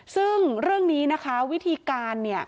ซึ่งเรื่องนี้นะคะวิธีการเนี่ย